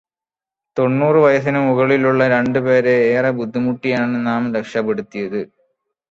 തൊണ്ണൂറ് വയസ്സിന് മുകളിലുള്ള രണ്ട് പേരെ ഏറെ ബുദ്ധിമുട്ടിയാണ് നാം രക്ഷപെടുത്തിയെടുത്തത്.